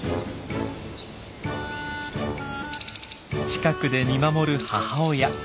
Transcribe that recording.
近くで見守る母親。